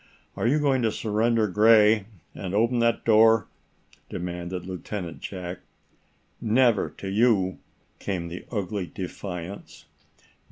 "Are you going to surrender, Gray, and open that door?" demanded Lieutenant Jack. "Never to you," came the ugly defiance.